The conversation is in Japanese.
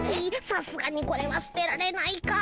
さすがにこれは捨てられないか。